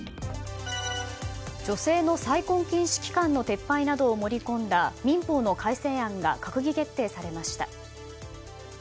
女性の再婚禁止期間の撤廃などを盛り込んだ民法の改正案が閣議決定されました。